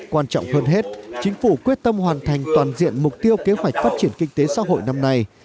quan trọng hơn hết chính phủ quyết tâm hoàn thành toàn diện mục tiêu kế hoạch phát triển kinh tế xã hội năm nay